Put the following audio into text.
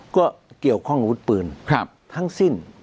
ก็เกี่ยวข้องอาวุธปืนทั้งสิ้น